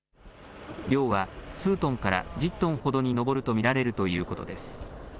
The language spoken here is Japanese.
量は数トンから１０トンほどに上ると見られるということです。